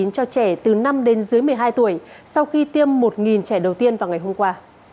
cho trẻ từ năm đến dưới một mươi hai tuổi sau khi tiêm một trẻ đầu tiên vào ngày hôm qua